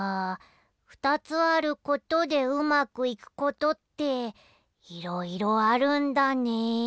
２つあることでうまくいくことっていろいろあるんだね。